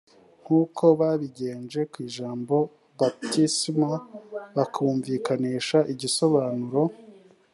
nk uko babigenje ku ijambo baptisma bakumvikanisha igisobanuro